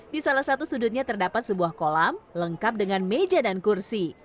di salah satu sudutnya terdapat sebuah kolam lengkap dengan meja dan kursi